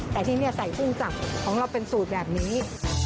แต่ที่นี่ใส่กุ้งสับของเราเป็นสูตรแบบนี้